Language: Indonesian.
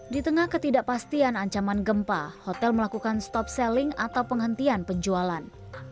di tengah ketidakpastian ancaman gempa hotel melakukan stop selling atau penghentian penjualan